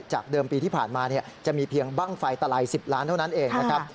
เดิมปีที่ผ่านมาจะมีเพียงบ้างไฟตลาย๑๐ล้านเท่านั้นเองนะครับ